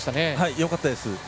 よかったです。